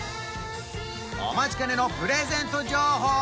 お待ちかねのプレゼント情報